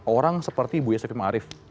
orang seperti bu yosef ima arief